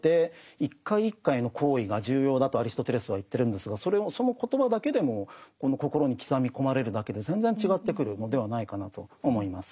とアリストテレスは言ってるんですがその言葉だけでも心に刻み込まれるだけで全然違ってくるのではないかなと思います。